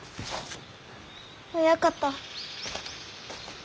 親方。